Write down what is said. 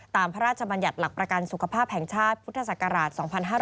พระราชบัญญัติหลักประกันสุขภาพแห่งชาติพุทธศักราช๒๕๕๙